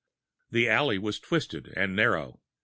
The alley was twisted and narrow.